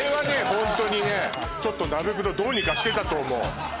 ホントにねちょっとナベプロどうにかしてたと思う。